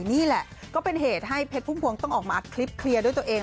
นี่แหละก็เป็นเหตุให้เพชรพุ่มพวงต้องออกมาอัดคลิปเคลียร์ด้วยตัวเอง